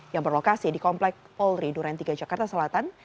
yang berlokasi di komplek polri durantiga jakarta selatan